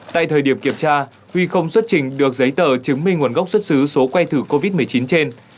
tại thời điểm kiểm tra huy không xuất trình được giấy tờ chứng minh nguồn gốc xuất xứ số que thử covid một mươi chín trên